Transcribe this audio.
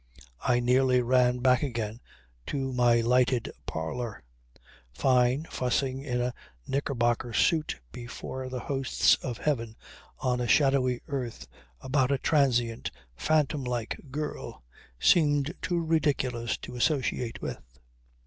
I nearly ran back again to my lighted parlour; Fyne fussing in a knicker bocker suit before the hosts of heaven, on a shadowy earth, about a transient, phantom like girl, seemed too ridiculous to associate with.